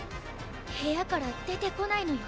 部屋から出てこないのよ